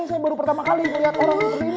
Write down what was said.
saya baru pertama kali melihat orang seperti ini